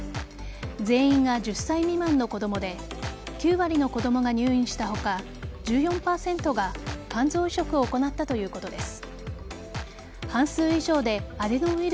全員が１０歳未満の子供で９割の子供が入院した他１４％が肝臓移植を行ったということです。